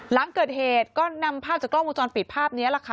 หลังเกิดเหตุก็นำภาพจากกล้องวงจรปิดภาพนี้แหละค่ะ